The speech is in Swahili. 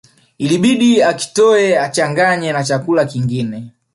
Ilibidi akitoe achanganye na chakula kingine